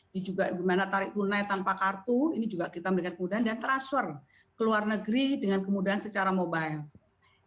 di juga dimana tarik tunai tanpa kartu ini juga kita memberikan kemudahan dan transfer ke luar negeri dengan kemudahan secara mobile